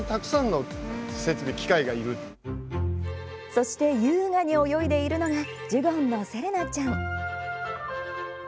そして優雅に泳いでいるのがジュゴンのセレナちゃん。